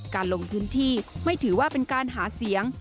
การลงพื้นที่ไม่ถือว่าเป็นการหาเสียง